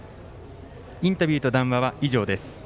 インタビューと談話は以上です。